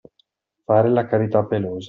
Fare la carità pelosa.